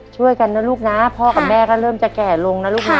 ช่วยกันนะลูกนะพ่อกับแม่ก็เริ่มจะแก่ลงนะลูกนะ